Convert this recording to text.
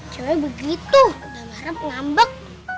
cuma begitu udah marah pengambek